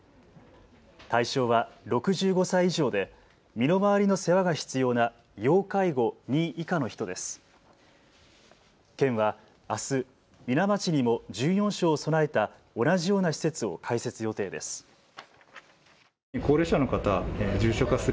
対象は６５歳以上で身の回りの世話が必要な要介護２以下の人です。